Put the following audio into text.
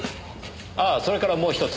ああそれからもう１つ。